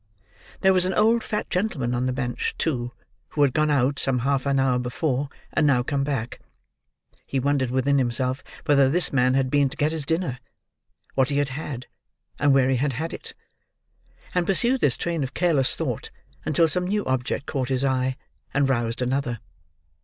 There was an old fat gentleman on the bench, too, who had gone out, some half an hour before, and now come back. He wondered within himself whether this man had been to get his dinner, what he had had, and where he had had it; and pursued this train of careless thought until some new object caught his eye and roused another.